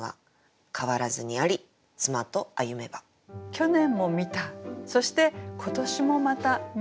去年も見たそして今年もまた見た。